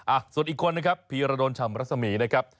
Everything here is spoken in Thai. อ่ะส่วนอีกคนนะครับพีรโรนชำรักษมีย์นะครับ